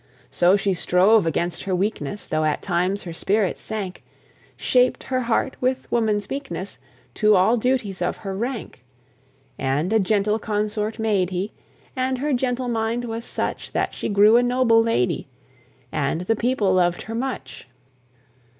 So she strove against her weakness, Tho' at times her spirits sank; Shaped her heart with woman's meekness To all duties of her rank; And a gentle consort made he, And her gentle mind was such That she grew a noble lady, And the people loved her much.